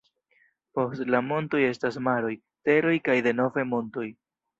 Post la montoj estas maroj, teroj kaj denove montoj.